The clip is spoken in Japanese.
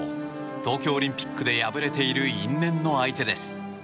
東京オリンピックで敗れている因縁の相手です。